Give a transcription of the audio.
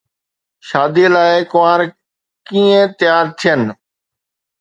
شاديءَ لاءِ ڪنوار ڪيئن تيار ٿين؟